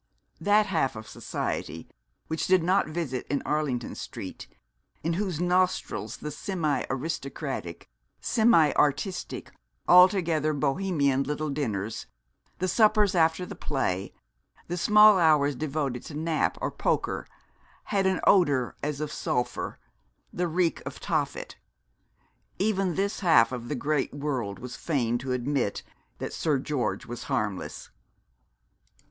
That half of society which did not visit in Arlington Street, in whose nostrils the semi aristocratic, semi artistic, altogether Bohemian little dinners, the suppers after the play, the small hours devoted to Nap or Poker, had an odour as of sulphur, the reek of Tophet even this half of the great world was fain to admit that Sir George was harmless.